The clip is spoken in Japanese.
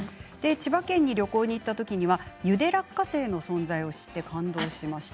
千葉県に旅行に行ったときはゆで落花生の存在を知って感動しました。